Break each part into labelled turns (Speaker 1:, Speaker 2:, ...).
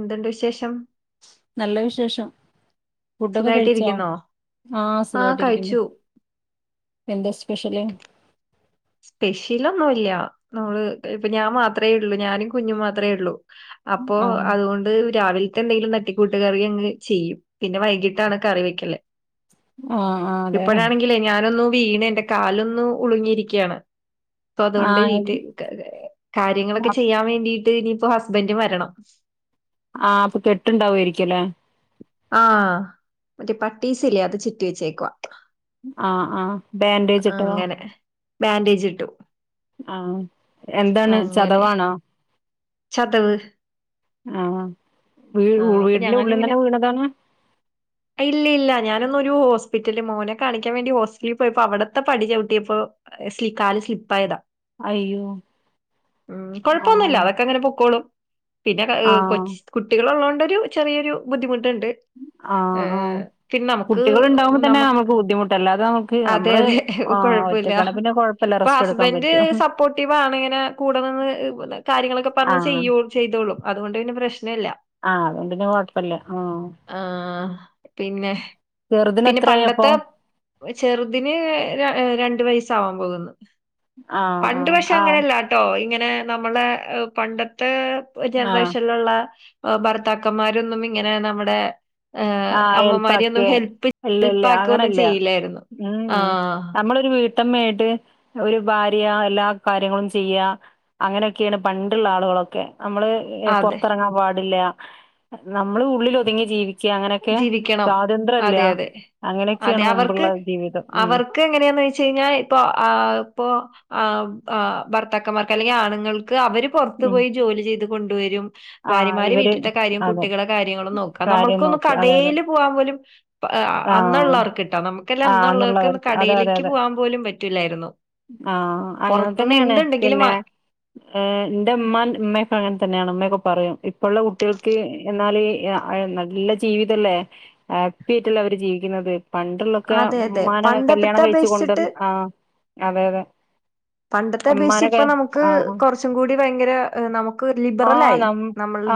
Speaker 1: എന്തുണ്ട് വിശേഷം
Speaker 2: നല്ല വിശേഷം ഫുഡൊക്കെ കഴിച്ചോ
Speaker 1: സുഖായിട്ടിരിക്കുന്നോ
Speaker 2: ആ സുഖായിട്ടിരിക്കുന്നു എന്തെ ശ് പെഷ്യല്
Speaker 1: സ്പെഷ്യലൊന്നുല്യാ അത് ഇപ്പ ഞാൻ മാത്രെ ഉള്ളൂ ഞാനും കുഞ്ഞും മാത്രെ ഉള്ളൂ അപ്പൊ
Speaker 2: ആഹ്
Speaker 1: അതുകൊണ്ട് രാവി എന്തെങ്കിലും തട്ടിക്കൂട്ട് കറി അങ്ങ് ചെയ്യും പിന്നെ വൈകിട്ടാണ് കറി വെക്കല്
Speaker 2: ആഹ് ആഹ് അതെല്ലേ
Speaker 1: ഇപ്പോഴാണെങ്കില് ഞാനൊന്നു വീണ് എന്റെ കാലൊന്ന് ഉളിങ്ങിരി ക്കാണ് അപ്പൊ അതുകൊണ്ട്
Speaker 2: ആഹ്
Speaker 1: വീട്ടി ക് കാ കാര്യങ്ങളൊക്കെ ചെയ്യാൻ വേണ്ടി നിയിപ്പോ ഹസ്ബൻഡ് വരണം
Speaker 2: ആ അപ്പൊ കെട്ടുണ്ടാവുയിരിക്കല്ലേ
Speaker 1: ആ മറ്റേ പട്ടീസില്ലേ അത് ചുറ്റി വെച്ചേക്കുവാ
Speaker 2: ആ ആ ബാൻഡേജ് ഇട്ടോ
Speaker 1: അങ്ങനെ ബാൻഡേജ് ഇട്ടു
Speaker 2: ആ എന്താണ്
Speaker 1: അങ്ങനെ
Speaker 2: ചതവാണോ
Speaker 1: ചതവ്
Speaker 2: ആഹ് വീ
Speaker 1: ആ അപ്പൊ
Speaker 2: വീടിന്റെ ഉള്ളിൽ
Speaker 1: ഞാനിങ്ങനെ
Speaker 2: തന്നെ വീണതാണ്
Speaker 1: ഇല്ലില്ല ഞാനന്നൊരു ഹോസ്പിറ്റലില് മോനെ കാണിക്കാൻ വേണ്ടി ഹോസ്റ്റലി പോയപ്പോ അവിത്തെ പടി ചവിട്ടിയപ്പോ സ്ലി കാല് സ്ലിപ്പ് ആയതാ
Speaker 2: അയ്യോ ആ
Speaker 1: കുഴപ്പമൊന്നുമില്ല അതൊക്കെ അങ്ങനെ പൊക്കോളും പിന്നെ കൊച്ച് കുട്ടികളുള്ളോണ്ട് [unintelligible] ഒരു ചെറിയൊരു ബുദ്ധിമു ട്ട്ണ്ട് ഏ
Speaker 2: ആഹ് ആഹ്
Speaker 1: പിന്നെ നമ്മ്ക്ക്
Speaker 2: കുട്ടികൾ ഉണ്ടാവുമ്പോ തന്നെ
Speaker 1: നമ്മ
Speaker 2: നമുക്ക് ബുദ്ധിമുട്ട അല്ലാതെ നമുക്ക് നമ്മള്
Speaker 1: അതെയതെ
Speaker 2: ആഹ്
Speaker 1: കൊഴപ്പയില്ല
Speaker 2: ഒറ്റക്കാണെ പിന്നെ കൊഴപ്പല്ല
Speaker 1: ഇപ്പം
Speaker 2: റെസ്റ്റ് എടുക്കാൻ
Speaker 1: ഹസ്ബൻഡ്
Speaker 2: പറ്റും
Speaker 1: സപ്പോട്ടിവാണിങ്ങനെ കൂടെനിന്ന് കാര്യങ്ങളൊക്കെ പറഞ്ഞത്
Speaker 2: ആഹ്
Speaker 1: ചെയ്യു ചെയ് തോളും അതുകൊണ്ട് പിന്നെ പ്രശ് ക്കുന്നേയില്ല.
Speaker 2: ആഹ് അതുകൊണ്ട് പിന്നെ കൊഴപ്പല്ല ആഹ്
Speaker 1: ആ പിന്നെ
Speaker 2: ചെറുതിന്
Speaker 1: പിന്നെ
Speaker 2: എത്രായി അപ്പൊ
Speaker 1: പണ്ടത്തെ ചെറുതിന് രണ്ട് വയസ് [unintelligible]
Speaker 2: ആഹ്
Speaker 1: പണ്ട് പക്ഷേ
Speaker 2: ആഹ്
Speaker 1: അങ്ങനെയല്ലാട്ടോ ഇങ്ങ നെ നമ്മളെ എ പണ്ടത്തേ
Speaker 2: ആഹ്
Speaker 1: ജൻറേഷന്ലൊള്ള എ ഭർത്താക്കമ്മാരൊന്നും ഇങ്ങനെ നമ്മുടെ ഏഹ്,
Speaker 2: ആ
Speaker 1: അമ്മമാരെയൊന്നും
Speaker 2: അയൽപ്പക്കെ
Speaker 1: ഹെൽപ്പ്
Speaker 2: ഇല്ലില്ല
Speaker 1: ഹെൽപ്പാക്കൊന്നും
Speaker 2: അങ്ങനയില്ല
Speaker 1: ചെയ്യില്ലായിരുന്നു ആ
Speaker 2: ഉം നമ്മളൊരു വീ ട്ടമ്മയായിട്ട് ഒരു ഭാര്യ എല്ലാ കാര്യങ്ങളും ചെയ്യാ. അങ്ങനെയൊക്കെയാണ് പണ്ടുള്ള ആളുകളൊക്കെ. നമ്മള്
Speaker 1: അതെ
Speaker 2: പൊറത്തെറങ്ങാൻ പാടില്ല നമ്മള് ഉള്ളിലൊതുങ്ങി ജീവി
Speaker 1: ജീവിക്കണം അതെ അതെ
Speaker 2: അങ്ങനെയൊക്കെയാണ്
Speaker 1: അതെ അവർക്ക്
Speaker 2: മുമ്പുള്ള ജീവിതം ഉം
Speaker 1: അവർക്ക് എങ്ങനെയാന്ന്യ്ച്ച് കഴിഞ്ഞാൽ ഇപ്പൊ ഇപ്പോ ആ ആ ഭർത്താക്കമാർക്ക് അല്ലെങ്കി ആണുങ്ങൾ ക്ക് അവര് പൊറത്തു
Speaker 2: ഉം
Speaker 1: പോയി ജോലി ചെയ്ത് കൊണ്ടുവരും
Speaker 2: ആഹ്
Speaker 1: ഭാര്യമാര്
Speaker 2: ഇവര്
Speaker 1: വീട്ടിൽത്തെ കാര്യം കുട്ടികളെ കാര്യങ്ങളും നോക്കാ നമ്മൾ
Speaker 2: നോക്കാ. അതെയതെ. ആഹ്
Speaker 1: അന്നുള്ളവർക്ക്ട്ടോ നമുക്കെല്ലാം
Speaker 2: ആ
Speaker 1: അന്നുള്ളവർക്ക്
Speaker 2: അന്നുളളവർക്ക്
Speaker 1: കടയിലേക്ക്
Speaker 2: അതെയതെ
Speaker 1: പോകാൻ പോലും പറ്റൂലായിരുന്നു
Speaker 2: ആ അങ്ങനെ
Speaker 1: പുറത്തുന്ന്
Speaker 2: തന്നെയാണ്
Speaker 1: എന്തുണ്ടെങ്കിലും
Speaker 2: പിന്നെ
Speaker 1: വാ
Speaker 2: ഏഹ് ഇന്റുമ്മാൻ ഇമ്മെക്കെങ്ങനെതന്നെയാണ്‌ ഇമ്മയൊക്കെ പറയും ഇപ്പൊള്ള കുട്ടിയേൾക്ക് എന്നാല് നല്ല ജീവിതല്ലേ ഹാപ്പിയായിട്ടല്ലേ അവര് ജീവിക്ക്ന്നത് പണ്ടുള്ളൊക്കെ
Speaker 1: അതെ അതെ
Speaker 2: ഉമ്മാനെ
Speaker 1: പണ്ടത്തെ
Speaker 2: കല്യാണം
Speaker 1: അപേക്ഷിച്ചിട്ട്
Speaker 2: കഴിച്ച്കൊണ്ടുവന്ന് ആ അതെ അതെ
Speaker 1: പണ്ടത്തെ അപേക്ഷിച്ച് ഇപ്പൊ
Speaker 2: ഉമ്മാനെയൊക്കെ
Speaker 1: നമുക്ക്
Speaker 2: ആ ആ
Speaker 1: കുറച്ചും കൂടി ഭയങ്കര നമു
Speaker 2: ആ നമ്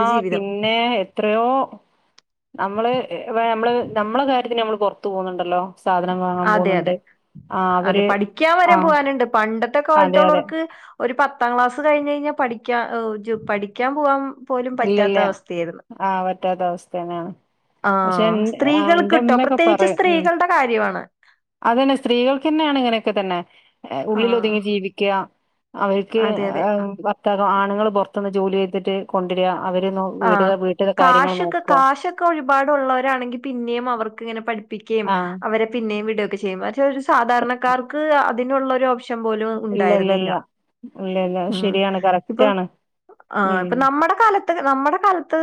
Speaker 2: ആ പിന്നേ എത്രയോ നമ്മള് ഇപ്പൊ നമ്മള് നമ്മളെ കാര്യത്തിന് നമ്മള് പൊറത്തു പോവ്ന്നുണ്ടല്ലോ
Speaker 1: അതെ അതെ അതെ
Speaker 2: അവര്
Speaker 1: പഠിക്കാൻ
Speaker 2: ആ
Speaker 1: വരെം പോവാനുണ്ട് പണ്ടത്തെ
Speaker 2: അതെ അതെ
Speaker 1: കാലത്തുള്ളോർക്ക് ഒരു പത്താം ക്ലാസ് കഴിഞ്ഞു കഴിഞ്ഞാൽ പഠിക്കാ ഒ ജ് പഠിക്കാൻ പോവാം പോലും പറ്റാത്ത അവസ്ഥയേര്ന്ന്
Speaker 2: റ്റാത്ത അവസ്ഥന്നെയാണ് പക്ഷെ ഇൻ ആ
Speaker 1: സ്ത്രീകൾക്ക് ട്ടോ
Speaker 2: ഇന്റമ്മക്കെ
Speaker 1: പ്രത്യേകിച്ച്
Speaker 2: പറയും ഉം
Speaker 1: സ്ത്രീകളുടെ കാര്യമാണ്
Speaker 2: അതന്നെ സ്ത്രീകൾക്കന്നേണ് ഇങ്ങനെയൊക്കെ തന്നെ
Speaker 1: ആഹ്
Speaker 2: ഉള്ളിലൊതുങ്ങി ജീവിക്ക്യ അവരിക്ക്
Speaker 1: അതെ അതെ
Speaker 2: ആ ഭർത്താക്കൻ ആണുങ്ങള് പൊറത്തൊളള ജോലി ചെയ് തെറ്റ്
Speaker 1: ആ
Speaker 2: കാര്യങ്ങൾ
Speaker 1: കാശൊക്കെ
Speaker 2: നോക്കുക
Speaker 1: കാശൊക്കെ ഒരുപാടുള്ളവരാണെങ്കിൽ പിന്നെയും അവർക്ക് ഇങ്ങനെ പഠിപ്പ ക്കയും
Speaker 2: ആഹ്
Speaker 1: അവരെ പിന്നെയും വിടുവൊക്കെ [unintelligible] ഒരു സാധാരണക്കാർക്ക് അ അതിനുള്ളൊരോപ്ഷ
Speaker 2: ഇല്ല ഇല്ല ഇല്ല ഇല്ല ഇല്ല അത്
Speaker 1: ഉം
Speaker 2: ശരിയാണ്
Speaker 1: ഇപ്പൊ
Speaker 2: കറക്റ്റാണ്
Speaker 1: ആ
Speaker 2: ഉം
Speaker 1: ഇപ്പൊ നമ്മടെ കാലത്ത് നമ്മടെ കാലത്ത്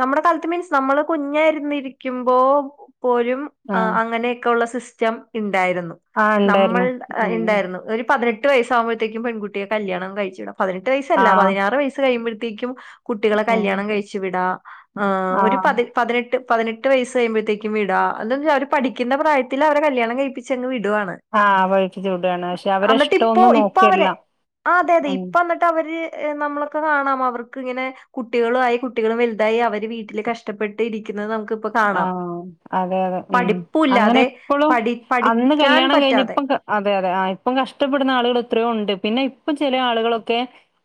Speaker 1: നമ്മടെ കാലത്ത് മീൻസ് നമ്മള് കുഞ്ഞായിരുന്നിരിക്കുമ്പോ പോഴും ആ
Speaker 2: ആഹ്
Speaker 1: അങ്ങനെയൊക്കെ ഒള്ള സിസ് റ്റം ഇൺ ണ്ടായിരുന്നു
Speaker 2: ആഹ്
Speaker 1: നമ്മൾ
Speaker 2: ഉണ്ടായിരുന്നു
Speaker 1: അ
Speaker 2: ഉം
Speaker 1: ഇണ്ടായിരുന്നു ഒരു പതിനെ എട്ട് വയസ്സാകുമ്പോഴത്തേയ്ക്കും പെൺകുട്ടിയെ കല്യാണം കഴിച്ചുവിടും പതിനെട്ട് വയസ്സല്ല
Speaker 2: ആഹ്
Speaker 1: പതിനാറ് വയസ്സ് കഴിയുമ്പഴ േക്കും [unintelligible] കുട്ടികളെ
Speaker 2: ഉം
Speaker 1: കല്യാണം കഴിച്ചു വിടാ ആഹ് ഒരു പതി പതിനെട്ട് പതിനെട്ട് വയസ്സ് കഴുമ്പോഴേക്കും വിടാ എന്താ അവര് പഠിക്കുന്ന പ്രായത്തില് അവരെ കല്യാണം കഴിപ്പിച്ചങ് വിട് ടുവാണ്
Speaker 2: ആഹ് വഴിക്ക് ചൂടാണ് പക്ഷെ അവരെ
Speaker 1: എന്നിട്ട് ഇപ്പൊ
Speaker 2: ഇഷ്ടമൊന്നും
Speaker 1: ഇപ്പോ
Speaker 2: നോക്കല്ല
Speaker 1: അവര് ആഹ് അതെ അതെ
Speaker 2: ഉം
Speaker 1: ഇപ്പൊ എന്നിട്ട് അവര് നമ്മളൊക്കെ കാണാം അവർക്ക് ഇങ്ങനെ കുട്ടികളു ആ കുട്ടികളും വലുതായി അവര് വീട്ടില് കഷ്ടപ്പെട്ട് ഇരിക്കുന്നത് നമു
Speaker 2: ആ അതെ അതെ ഉം അങ്ങനെ
Speaker 1: പഠിപ്പുല്ലാതെ
Speaker 2: എപ്പോഴും
Speaker 1: പഠി
Speaker 2: അന്ന്
Speaker 1: പഠിക്കാൻ
Speaker 2: കല്യാണം കഴിഞ്ഞ
Speaker 1: പറ്റാതെ
Speaker 2: ഇപ്പം അതെ അതെ ആ ഇപ്പം കഷ്ടപ്പെടുന്ന ആളുകൾ ഇത്രോ ഉണ്ട് പിന്നെ ഇപ്പ ചില ആളുകളൊക്കെ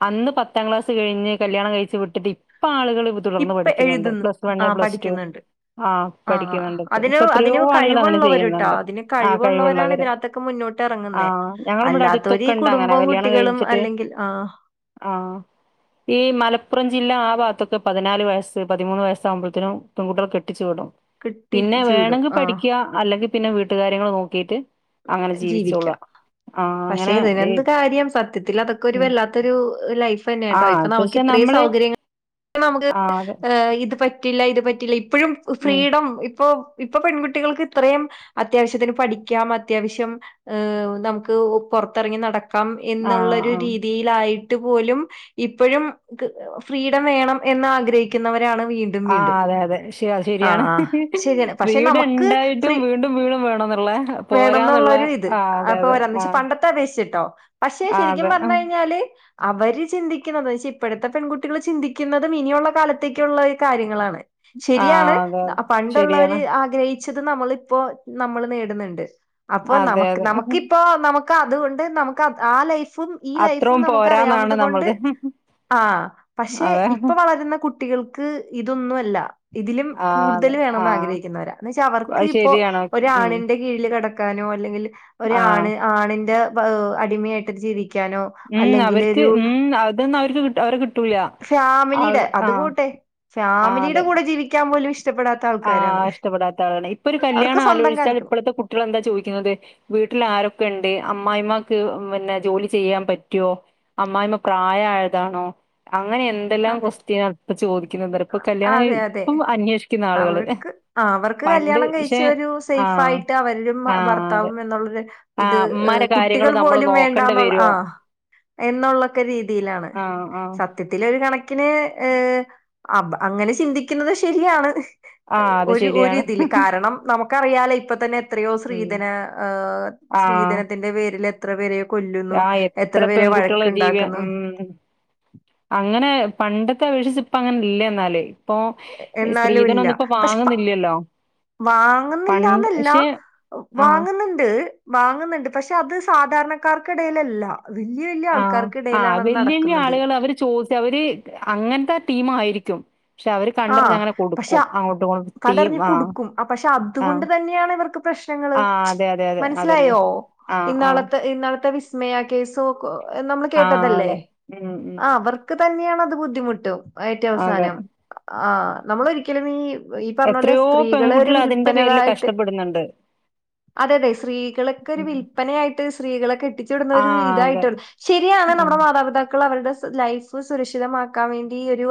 Speaker 2: അന്ന് പത്താം ക്ലാസ് കഴിഞ്ഞ് കല്യാണം കഴിച്ച് വിട്ടിട്ട് ഇപ്പ ആളുക തുടർന്ന്
Speaker 1: ഇപ്പ
Speaker 2: പഠിക്കുന്നുണ്ട്
Speaker 1: എഴുതുന്നു
Speaker 2: പ്ലസ് വണ്
Speaker 1: ആഹ്
Speaker 2: പ്ലസ് ടു
Speaker 1: പഠിക്കുന്നുണ്ട്
Speaker 2: ആഹ് പഠിക്കുന്നുണ്ട് ഇപ്പൊ
Speaker 1: അതിന്
Speaker 2: ഇപ്പ എത്രയോ
Speaker 1: അതിന്
Speaker 2: ആളുകൾ അങ്ങനെ
Speaker 1: കഴിവുള്ളവര്ട്ടോ
Speaker 2: ചെയ്യുന്നുണ്ട്
Speaker 1: അതിന്
Speaker 2: ആ
Speaker 1: കഴിവുള്ളവരാണ്
Speaker 2: കഴിവുള്ളവര്
Speaker 1: ഇതിനകത്തൊക്കെ മുന്നോട്ട്
Speaker 2: ആ
Speaker 1: ഇറങ്ങുന്നേ
Speaker 2: ഞങ്ങള ഇവിടെ
Speaker 1: അല്ലാത്തവര് ഈ
Speaker 2: അടുത്തൊക്കെണ്ട് അങ്ങനെ
Speaker 1: കുടുംബവും
Speaker 2: കല്യാണം
Speaker 1: കുട്ടികളും
Speaker 2: കഴിച്ചിട്ട്
Speaker 1: അല്ലെങ്കിൽ ആഹ്
Speaker 2: ആഹ് ഈ മലപ്പുറം ജില്ല ആ ഭാഗത്തൊക്കെ പത പതിനാല് വയസ് പതിമൂന്ന് വയസ്സാവുമ്പോത്തിനും പെൺകുട്ടികളെ കെട് ട്ടിച്ച് വിടും പിന്നെ
Speaker 1: കിട്ടിച്ചു വിടും
Speaker 2: വേണമെങ്കിൽ
Speaker 1: ആഹ്
Speaker 2: പഠിക്കാ അല്ലെങ്കിൽ പിന്നെ വീട്ടുകാര്യങ്ങൾ നോക്കിയിട്ട്
Speaker 1: ജീവിക്ക പക്ഷെ
Speaker 2: അങ്ങനെ ഈ
Speaker 1: ഇതിനെന്ത് കാര്യം സത്യത്തിൽ അതൊക്കെ ഒരു
Speaker 2: ഉം
Speaker 1: വല്ലാത്തൊരു ലൈഫ് ഫ്
Speaker 2: ആ
Speaker 1: തന്നാട്ടോ ഇപ്പൊ നമുക്ക്
Speaker 2: പക്ഷെ
Speaker 1: ഇത്ര
Speaker 2: നമ്മള്
Speaker 1: സൗകര്യങ്ങ നമക്ക്
Speaker 2: ആ അത്
Speaker 1: ഇത് പ പറ്റില്ല ഇത് പറ്റില്ല ഇപ് ഇപ്പോഴും
Speaker 2: ഉം
Speaker 1: ഫ്രീഡം ഇപ്പോ ഇപ്പൊ പെൺകുട്ടികൾക്ക് ഇത്രയും അത്യാവശ്യത്തിന് പഠിക്കാം അത്യാവശ്യം ഏ നമുക്ക് പുറത്തിറങ്ങി നട കം
Speaker 2: ആ
Speaker 1: എന്നുള്ളൊരു
Speaker 2: ആ
Speaker 1: രീതിയിലായി ട്ട് പോലും ഇപ്പോഴും ഫ്രീഡം വേണം എന്ന് ആഗ്രഹിക്കുന്നവരാണ് വീണ്ടും
Speaker 2: ആ
Speaker 1: വീണ്ടും
Speaker 2: അതെ അതെ ശരി
Speaker 1: ആ
Speaker 2: ശെരിയാണ്
Speaker 1: ആ ശരിയാണ് പക്ഷെ
Speaker 2: വീട്
Speaker 1: നമുക്ക്
Speaker 2: ഉണ്ടായിട്ടും വീണ്ടും വീണ്ടും വേണന്നുള്ളത് അ
Speaker 1: വേണം എന്നുള്ളരു ഇത് അപ്പൊ ഒരന്നച്ച് പണ്ടത്തെ അപേക്ഷിച്ചിട്ടോ പക്ഷെ
Speaker 2: ആ
Speaker 1: ശരിക്കും
Speaker 2: അതെ ആ
Speaker 1: പറഞ്ഞു കഴിഞ്ഞാല് അവര് ചിന്തിക്കുന്നത് ന്ന് വച്ച ഇപ്പോഴത്തെ പെൺകുട്ടികൾ ചിന്തിക്കുന്നതും ഇനിയുള്ള കാലത്തേക്കുള്ള കാര്യങ്ങളാണ്
Speaker 2: ആ
Speaker 1: ശരിയാണ്
Speaker 2: അതെ അതെ. ശരിയാണ്
Speaker 1: പണ്ടുള്ളവര് ആഗ്രഹി ചത് നമ്മളിപ്പോ നമ്മൾ നേടുന്നുണ്ട് അപ്പൊ
Speaker 2: അതെ
Speaker 1: നമക്ക്
Speaker 2: അതെ
Speaker 1: നമുക്കിപ്പോ നമുക് അതുകൊണ്ട് നമുക്ക് ആ ലൈഫ് ഫും ഈ ലൈഫും
Speaker 2: അത്രയും
Speaker 1: നമുക്ക്
Speaker 2: പോരാന്നാണ്
Speaker 1: അറിയാവുന്നുന്നത് കൊണ്ട്
Speaker 2: നമ്മളത്
Speaker 1: ആ പക്ഷെ
Speaker 2: അതെ
Speaker 1: ഇപ്പ വളരുന്ന കുട്ടികൾക്ക് ഇതൊന്നുമല്ല ഇതിലും
Speaker 2: ആ
Speaker 1: കൂടുതൽ
Speaker 2: അതെ ആ
Speaker 1: വേണംന്ന് ആഗ്രഹിക്കുന്നവരാ എന്ന് വെച്ച അവർക്ക്
Speaker 2: അത്
Speaker 1: ഇപ്പോ
Speaker 2: ശരിയാണ് ഉം
Speaker 1: ഒരാണിന്റെ കീഴിൽ കിട കാനോ അല്ലെങ്കിൽ ഒരു
Speaker 2: ആ
Speaker 1: ആണ് ആണിന്റെ പ് അടിമയായിട്ട് ജീവി ക്കാനോ
Speaker 2: ഉം
Speaker 1: അല്ലെങ്കിൽ
Speaker 2: അവർക്ക്
Speaker 1: ഒരു
Speaker 2: ഉം അതൊന്നും അവർക്ക് കിട്ട അവരെ കിട്ടൂല.
Speaker 1: ഫാമിലിയുടെ
Speaker 2: ആഹ്
Speaker 1: അത്
Speaker 2: ആഹ്
Speaker 1: പോട്ടെ ഫാമിലിയുടെ കൂടെ ജീവിക്കാൻ പോലും ഇ
Speaker 2: ആ ഇഷ്ടപ്പെടാത്ത ആളാണ് ഇപ്പൊ ഒരു
Speaker 1: അവർക്ക്
Speaker 2: കല്യാണം
Speaker 1: സ്വന്തം
Speaker 2: ആലോയിച്ചാൽ
Speaker 1: കാലിക്കണം
Speaker 2: ഇപ്പള്ത്തെ കുട്ട്യള് എന്താ ചോയിക്കുന്നത് വീട്ടിൽ ആരൊക്കെ ണ്ട് അമ്മായിമ്മക്ക് പിന്നെ ജോലി ചെയ്യാൻ പറ്റോ അമ്മായിമ്മ പ്രായായതാണോ അങ്ങനെ എന്തെല്ലാം
Speaker 1: അതെ
Speaker 2: കൊസ്ത്യനാ പ്പ ചോദിക്കുന്നെന്തറി ഇപ്പ
Speaker 1: ആ,
Speaker 2: കല്യാണം കയി
Speaker 1: അതെ അതെ
Speaker 2: ഇപ്പം അന്വേഷ്
Speaker 1: അവർക്ക് അവർക്ക് കല്യാണം
Speaker 2: പക്ഷെ
Speaker 1: കഴിച്ച് ഒരു
Speaker 2: ആഹ്
Speaker 1: സൈഫായിട്ട് അവരും ബ
Speaker 2: ആഹ് അതെ.
Speaker 1: ഭർത്താവും എന്നുള്ളൊരു ഇത്
Speaker 2: ആഹ്
Speaker 1: ഹ്
Speaker 2: ഉമ്മാന്റെ കാര്യങ്ങള്
Speaker 1: കുട്ടികൾ
Speaker 2: നമ്മള്
Speaker 1: പോലും
Speaker 2: നോക്കണ്ട
Speaker 1: വേണ്ടാന്നുള്ള
Speaker 2: വരോ?
Speaker 1: ആ എന്നുള്ളൊക്കെ രീതിയിലാണ്
Speaker 2: ആഹ് ആഹ്
Speaker 1: സത്യത്തില് ര് കണക്കിന് ഹ് അബ് അങ്ങനെ ചിന്തിക്കുന്നത് ശരിയാണ് എ
Speaker 2: ആഹ് അത്
Speaker 1: ഒരു ഒരു
Speaker 2: ശരിയാണ്.
Speaker 1: ഇതില് കാരണം ക്ക് അറിയാലോ ഇപ്പൊ തന്നെ എത്രയോ
Speaker 2: ഉം
Speaker 1: സ്ത്രീധന ഹ് സ്ത്രീധനത്തിന്റെ പേരില് ത്ര പേരെയും
Speaker 2: ആ യെത്ര പെൺകുട്ടികളെ ജീവ്യ ഹം അങ്ങനെ പണ്ടത്തെ അപേക്ഷിച്ച് ഇപ്പ അങ്നെ ഇല്ല ന്നാല്
Speaker 1: എന്നാലുല്ല പക്ഷെ പ
Speaker 2: വാങ്ങുന്നില്ലല്ലോ. പണ്ട്
Speaker 1: വാങ്ങുന്നില്ലാന്നെല്ല
Speaker 2: പക്ഷെ
Speaker 1: വ്
Speaker 2: ആഹ്
Speaker 1: വാങ്ങുന്നുണ്ട് വാങ്ങുന്നുണ്ട് പക്ഷെ അത് സാധാര്ണക്കാർക്കിടയിലെല്ല
Speaker 2: ആ ആ വല്യ വല്യ
Speaker 1: നടക്കുന്നത്
Speaker 2: ആളുകള് അവര് ചോദിച് അവര് അങ്ങൻതെ ടീം അയിരിക്കും
Speaker 1: ആ പക്ഷെ
Speaker 2: ഇങ്ങോട്ടും ടീം
Speaker 1: കണ്ടറിഞ്ഞു
Speaker 2: ആഹ്
Speaker 1: കൊടുക്കും അ പക്ഷെ
Speaker 2: ആഹ്
Speaker 1: അതുകൊണ്ട് തന്നെയാണ് ഇവർക്ക് പ്രശ്നങ്ങള്
Speaker 2: ആഹ് അതെ അതെ അതെ അതന്നെ.
Speaker 1: മനസ്സിലായോ
Speaker 2: ആഹ് ആഹ്
Speaker 1: ഇന്നാളത്തെ ഇന്നളത്തെ വിസ് മയ കേസോ കാെ നമ്മൾ
Speaker 2: ആഹ്
Speaker 1: കേട്ടതല്ലേ
Speaker 2: അതെ. ഉം ഉം
Speaker 1: ആ അവർക്ക് തന്നെയാണ ബുദ്ധിമുട്ടും
Speaker 2: അതെ.
Speaker 1: ഏറ്റുവ്സാനം ആ നമ്മൾ ഒരിക്കലും ഈ ഈ പറഞ്ഞാേലെ
Speaker 2: എത്രയോ
Speaker 1: സ്ത്രീകളെ ഒര്
Speaker 2: പെൺകുട്ടികള് അതിന്റെ പേരില്
Speaker 1: വിൽപനതായിട്ട്
Speaker 2: കഷ്ടപ്പെടുന്നുണ്ട്.
Speaker 1: അതെ അതെ സ്ത്രീകള്ക്കെരു
Speaker 2: ഉം
Speaker 1: വില്പനയായിട്ട് സ്ത്രീകളെ കെട്ടിച്ചു വിട്ന്നാെരു
Speaker 2: ആഹ് അതെ.
Speaker 1: ഇതായിട്ടെ ശെരിയാണ്
Speaker 2: ഉം.
Speaker 1: നമ്മുടെ മാതാപിതാക്കളവര്ടെ ലൈഫ് സുരക്ഷിതമാക്കാൻ വേണ്ടി ഒരു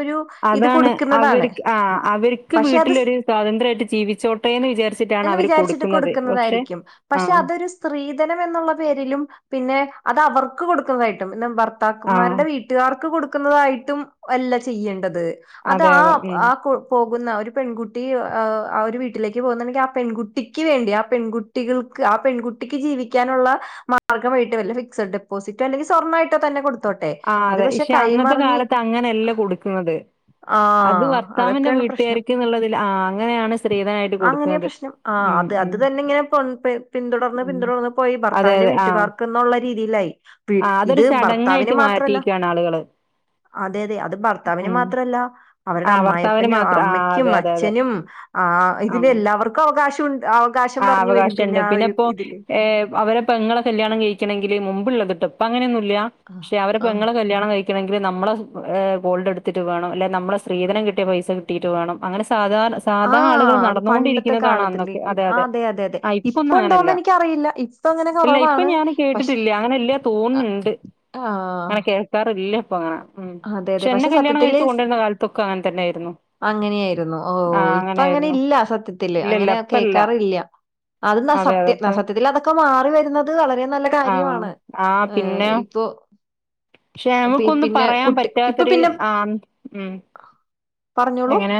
Speaker 1: ഒരിപ്പ ഇത്
Speaker 2: അതാണ്
Speaker 1: കൊടുക്കുന്നതാണ്
Speaker 2: അവർക്ക് ആ അവർക്ക്
Speaker 1: പക്ഷെ അത്
Speaker 2: വീട്ടിലൊരു സ്വാതന്ത്രായിട്ട് ജീവിച്ചോട്ടേന്ന് വിചാരിച്ചിട്ടാണ്
Speaker 1: എന്ന്
Speaker 2: അവര്
Speaker 1: വിചാരിച്ചിട്ട്
Speaker 2: കൊടുക്കുന്നത്. പക്ഷെ
Speaker 1: കൊടുക്കുന്നതായിരിക്കും
Speaker 2: ആ,
Speaker 1: പക്ഷെ അതൊരു സ്ത്രീധനം എന്നുള്ള പേരിലും പിന്നെ അത് അവ വർക്ക് കൊടുക്കുന്നായിട്ടും [unintelligible]
Speaker 2: ആ.
Speaker 1: ഭർത്താക്കമാരുടെ വീട്ടുകാർക്ക് കൊടു ു [unintelligible] ന്നതായിട്ടും അല്ല ചെയ്യേണ്ടത് അത്
Speaker 2: അതെ,
Speaker 1: ആ
Speaker 2: അതെ. ഉം.
Speaker 1: ആ കൊ കു ന്ന ഒരു പെൺകുട്ടി് അ ഒരു വീട്ടിലേക്ക് പോകുന്നുണ്ടെങ്കിൽ ആ പെൺകുട്ടിക്ക് വേണ്ടി ആ പെൺകുട്ടികൾക്ക് ആ പെൺകുട്ടിക്ക് ജീവിക്കാനുള്ള മാർഗ്ഗമായിട്ട് വല്ല ഫിക്സർ ഡെപ്പോസിറ്റോ അല്ലെങ്കിൽ സ്വർണ്ണമായിട്ടോ തന്നെ കൊടു
Speaker 2: ആ അതെ പക്ഷെ അന്നത്തെ കാലത്ത് അങ്ങനെയല്ലേ കൊടുക്കുന്നത്
Speaker 1: ആ
Speaker 2: അത് ഭർത്താവിന്റെ
Speaker 1: അതൊക്കെയാണ് പ്രശ്നം
Speaker 2: വീട്ടുകാർക്ക്ന്നുള്ളതിൽ ആ, അങ്ങനെയാണ് സ്ത്രീധനായിട്ട്
Speaker 1: അങ്ങനെ
Speaker 2: കൊടുക്കുന്നത്.
Speaker 1: പ്രശ്നം ആ
Speaker 2: ഉം,
Speaker 1: അത് അത്
Speaker 2: ഉം,
Speaker 1: തന്നെ ഇങ്ങനെ പിന്തുടർന്ന്
Speaker 2: ഉം.
Speaker 1: പിന്തുടർന്ന് പോയി
Speaker 2: അതെ,
Speaker 1: ഭർത്താവിന്റെ
Speaker 2: അതെ. ആ,
Speaker 1: വീട്ടുകാർക്ക്ന്നുള്ള രീതിയിലായി ഇത് ഭർത്താവി
Speaker 2: റ്റ് മാറ്റിക്കാണ് ആള്കള് ഉം
Speaker 1: ത്രല്ല അവരുടെ
Speaker 2: ആ ഭർത്താവിന്
Speaker 1: അമ്മായപ്പനും
Speaker 2: മാത്രം ആ,
Speaker 1: അമ്മയ്ക്കും
Speaker 2: അതെ, അതെ, അതെ.
Speaker 1: അച്ഛനും ആഹ്
Speaker 2: ആ.
Speaker 1: ഇതിനെല്ലാവർക്കും അവകാശ
Speaker 2: ആഹ് അവകാശൊണ്ട് പിന്നിപ്പോ
Speaker 1: ഇതില്.
Speaker 2: ഏഹ് അവരെ പ്പെങ്ങള കല്യാണം കഴിക്കണെങ്കില് മുമ് പ്പ്ള്ളതെട്ടോ ഇപ്പങ്ങനെന്നു ല്യാ
Speaker 1: ആഹ്
Speaker 2: ക്ഷെ
Speaker 1: ആഹ്.
Speaker 2: അവരപ്പെങ്ങളെ കല്യാണം കഴിക്കണെങ്ങ് ഇവര് നമ്മള സു ഏഹ് ഗോൾഡ് എടുത്തിട്ട് വേണം ല്ലേ നമ്മള സ്രീധനം കിട്ടിയ പൈസ കിട്ടിട്ട് വേണം അങ്ങന സ് സാധാര് സാധാ ആളുകള്
Speaker 1: ആഹ് അത് പണ്ടത്തെ കാലത്തില്
Speaker 2: നടന്നോണ്ടിരിക്കുന്നതാണന്നൊക്കെ അതെ
Speaker 1: ആ,
Speaker 2: അതെ
Speaker 1: അതെ അതെ അതെ
Speaker 2: ആഹ് ഇപ്പൊന്നും അങ്ങനല്ല
Speaker 1: ഇപ്പൊണ്ടോന്ന് എനിക്കറിയില്ല ഇപ്പൊ അങ്ങനെ
Speaker 2: ഇല്ല ഇപ്പൊ
Speaker 1: കുറവാണ്
Speaker 2: ഞാൻ
Speaker 1: പക്ഷെ
Speaker 2: കേട്ടിട്ടില്ല അങ്ങനെ ഇല്ല
Speaker 1: ആഹ്
Speaker 2: തോന്നുന്നുണ്ട്
Speaker 1: ആഹ്
Speaker 2: പ്പങ്ങന
Speaker 1: അതെ അതെ പക്ഷെ സത്യത്തില് സ്
Speaker 2: കാലത്തൊക്കെ അങ്ങനെ തന്നെയായിരുന്നു
Speaker 1: അങ്ങനെയിരുന്നു ഓഹ്
Speaker 2: ആഹ്
Speaker 1: ഇപ്പ അങ്ങനെ
Speaker 2: അങ്ങനെയായിരുന്നു
Speaker 1: ഇല്ല സത്യത്തില്
Speaker 2: ഇല്ല ഇല്ല
Speaker 1: അങ്ങനെ
Speaker 2: ഇപ്പല്ല
Speaker 1: കേൾക്കാറില്യ ആഹ് അത് ന്ന
Speaker 2: അതെ
Speaker 1: സത്യ
Speaker 2: അതെ ഇപ്പ
Speaker 1: ആഹ് സത്യത്തിൽ അതൊക്കെ മാറി വരുന്നത് വളരെ നല്ല
Speaker 2: ആഹ്
Speaker 1: കാര്യമാണ് ഏഹ് ഇപ്പോ
Speaker 2: ക്ഷെ നമുക്കൊന്ന് പറയാ അമ്
Speaker 1: ഇപ്പൊ
Speaker 2: പറ്റാത്തൊര്
Speaker 1: പിന്നെ
Speaker 2: ആഹ് ഉം ഉം
Speaker 1: പറഞ്ഞോളൂ.
Speaker 2: എങ്ങനെ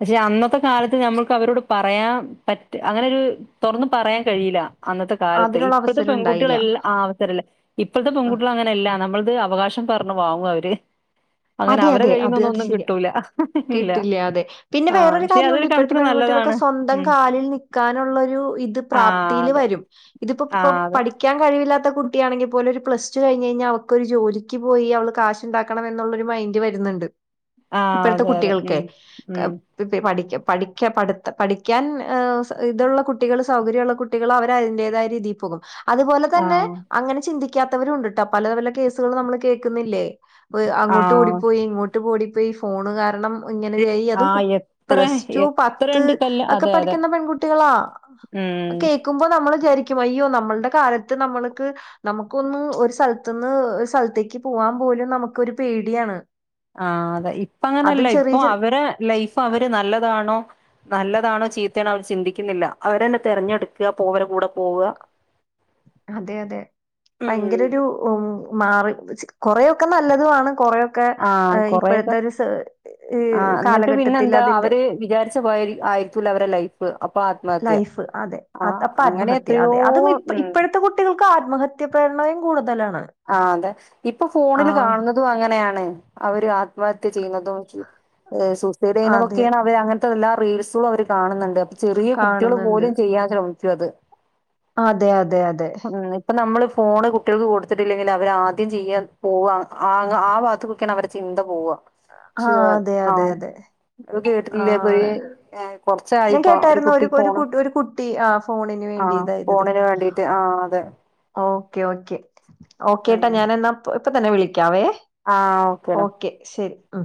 Speaker 2: പഷെ അന്നത്തെ കാലത്ത് ത് ഞമ്മക്ക് അവരൊട് പറയാം പറ്റ് അങ്ങനൊരു തൊറന്ന് പറയാൻ കഴിയില്ല അന്നത്തെ കാലത്ത്
Speaker 1: അതിനുള്ള
Speaker 2: ഇപ്പോഴത്തെ
Speaker 1: അവസരം ഉണ്ടായില്ല.
Speaker 2: പെങ്കുട്ടികളെല്ല ആഹ് അവസരല്ല ഇപ്പോഴത്തെ
Speaker 1: ആഹ്.
Speaker 2: പെങ്കുട്ടികളങ്ങനല്ല നമ്മൾ ദേ അവകാശം പറഞ്ഞു വാങ്ങുവ്വവര് അങ്ങനെ അവരെ കയ്യിന്നൊന്നും ഒന്നും കിട്ടൂല ആഹ്
Speaker 1: കിട്ടില്യാ അതെ പിന്നെ വേറൊരു കാര്യോണ്ട്
Speaker 2: അതൊരു
Speaker 1: ഇപ്പോഴത്തെ
Speaker 2: കണക്കിന്
Speaker 1: പെൺകുട്ടികളൊക്കെ
Speaker 2: നല്ലതാണ്
Speaker 1: സ്വന്തം
Speaker 2: ഉം
Speaker 1: കാലിൽ നിക്കാനുള്ളൊരു ഇത്
Speaker 2: ആ
Speaker 1: പ്രാപ്ത്തീല്
Speaker 2: അതെ
Speaker 1: വരും ഇതിപ്പോ
Speaker 2: ആ
Speaker 1: പ്പ്പോ
Speaker 2: അതെ
Speaker 1: പ്പഠിക്കാൻ കഴിവില്ലാത് ത്തെ കുട്ടിയാണെങ്കിപോലും ഒരു പ്ലസ്ടു കയിഞ് കയ്ഞാ അവക്കൊരു ജോലിക്ക് പോയി അവള് കാശ്ണ്ടാക്കണമെന് ന്നൊള്ളൊരു മൈന്റ് വരുന്നുണ്ട്
Speaker 2: ആ
Speaker 1: ഇപ്പഴത്തെ
Speaker 2: അതെ അതെ
Speaker 1: കുട്ടികൾക്കെ
Speaker 2: ഉം ഉം
Speaker 1: കപ് പിപെ പഠിക്ക് പഠിക്ക പഠിത്ത പഠിക്കാൻ ആ സ് ഇത്ള്ളകുട്ടികള് സൗകര്യോള്ള കുട്ടികള് അവര് അതിന്റേതായ രീതിപ്പോകും അത്പോലെ
Speaker 2: ആ
Speaker 1: തന്നെ അങ്ങനെ ചിന്തി ക്കാത്തവരുംണ്ട്ട്ടോ പല പല കേസ്കള് നമ്മള് കേക്ക്ന്നില്ലേ പൊയ്
Speaker 2: ആ
Speaker 1: അങ്ങോട്ട് ഓടിപ്പോയി ഇങ്ങോട്ട് പാേടി ഇപ്പ ഈ ഫോണ് കാരണം ഇങ്ങനെ ചെയ്യ്
Speaker 2: ആ
Speaker 1: അതും കു
Speaker 2: എത്ര
Speaker 1: പ്ലസ്ടു പത്ത്
Speaker 2: എത്രയുണ്ട് കല്ല്
Speaker 1: അക്കെ
Speaker 2: അതെ അതെ
Speaker 1: പഠിക്ക്ന്ന പെൺകുട്ടികളാ അത്
Speaker 2: ഉം
Speaker 1: കേക്ക്മ്പോ നമ്മള് വിചാരി ക്ക് വയ്യോ നമ്മൾടെ കാലത്ത് നമ്മള്ക്ക് നമുക്കൊന്ന് ഒര് സൽത്ത്ന്ന് ര് സൽത്തേക്ക് പൂവാൻ പോലും നമ് ക്കൊരു പേട്യാണ്
Speaker 2: ആ അതെ ഇപ്പങ്ങനല്ല ഇപ്പൊ
Speaker 1: ചെറിയ
Speaker 2: അവരെ ലൈഫ് അവര് നല്ലതാണോ നല്ലതാണോ ചീത്തേണോ അവര് ചിന്തിക്ക്ന്ന്ല്ല അവരെന്നെ തെരഞ്ഞെട്ക്ക പോവരെ കൂടെ പോവ്വ
Speaker 1: അതെ അതെ ഭയങ്കര ഒരു ഒ മാറ് കൊറെയൊക്കെ നല്ലതുവാണ് കൊറെ
Speaker 2: ആഹ് കൊറെക്കെ
Speaker 1: ഈ
Speaker 2: ആഹ് എന്നിട്ട്
Speaker 1: കാലഘട്ടത്തിൽ
Speaker 2: പിന്നെന്താ
Speaker 1: അതിന്റെ
Speaker 2: അവര് വിചാരിച്ച പോ ആയിരിക്കൂല അവരെ ലൈഫ് അ
Speaker 1: ലൈഫ് അതെ അതപ്പ
Speaker 2: അങ്ങനെ
Speaker 1: ആത്മഹത്യ
Speaker 2: എത്രയോ
Speaker 1: അതെ അതും ഇപ്പ
Speaker 2: ഉം
Speaker 1: ഇപ്പഴത്തെ കുട്ടികൾ ക്കാത്മഹത്യ പ്രേരണയും കൂടുതലാണ്.
Speaker 2: ആഹ് അതെ ഇപ്പൊ ഫോണില്
Speaker 1: ആഹ്
Speaker 2: കാണുന്നതും അങ്ങനെയാണ് അവര് അ ത്മഹത്യ ചെയ്യുന്നതും എഹ് സുസൈഡ്
Speaker 1: അതെ
Speaker 2: ചെയുന്നതൊക്കെയാണ് അവര് അങ്ങനെ എല്ലാ റീൽസും അവര് കാണുന്നുണ്ട് ചെറിയ കുട്ടികള്
Speaker 1: കാണുന്നുണ്ട്
Speaker 2: പോലും ചെയ്യാചെ ചത്.
Speaker 1: അതെ അതെ അതെ.
Speaker 2: നമ്മള് ഫോണ് കുട്ടികൾക്ക് കൊടു ത്തിട്ടില്ലെങ്കിൽ അവര് ആദ്യം ചെയ്യാൻ പോവാ ആ ആ ഭാത്തക്കൊക്കെയാണ് അവരെ ചിന്ത പോവ.
Speaker 1: ആഹ് അതെ അതെ
Speaker 2: ആഹ്
Speaker 1: അതെ
Speaker 2: അത് കേട്ടില്ലേ
Speaker 1: ആഹ്
Speaker 2: പയ്യെ
Speaker 1: ഞാൻ
Speaker 2: കൊറച്ചായിപ്പോ ഒരു
Speaker 1: കേട്ടായിരുന്നു
Speaker 2: കുട്ടി
Speaker 1: ഒരു
Speaker 2: ഫോണ്
Speaker 1: കു ഒരു കുട്ടി ആ ഫോണിന് വേണ്ടി
Speaker 2: ആഹ് ഫോണിന് വേണ്ടീട്ട് ആഹ് അതെ.
Speaker 1: ഓഹ് ഓക്കെ ഓക്കെ ഓക്കേ ട്ടാ
Speaker 2: ഉം
Speaker 1: ഞാനെന്ന പ് ഇപ്പ തന്നെ വിളി ക്കാവേ
Speaker 2: ആഹ് ഓക്കേടാ
Speaker 1: ഓക്കെ ശരി. അ